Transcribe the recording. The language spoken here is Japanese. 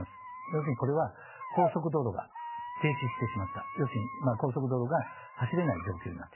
要するにこれは高速道路が停止してしまった要するに高速道路が走れない状況になってる。